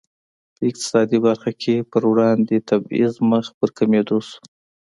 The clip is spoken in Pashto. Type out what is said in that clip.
په اقتصادي برخه کې پر وړاندې تبعیض مخ په کمېدو شو.